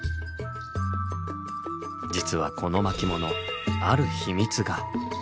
実はこの巻物ある秘密が。